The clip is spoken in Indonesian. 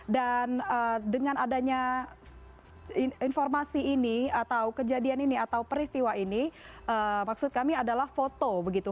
dan dengan adanya informasi ini atau kejadian ini atau peristiwa ini maksud kami adalah foto begitu